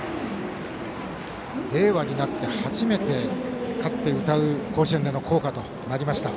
令和になって初めて勝って歌う甲子園での校歌となりました。